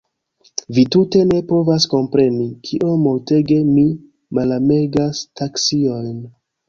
Vi tute ne povas kompreni, kiom multege mi malamegas taksiojn.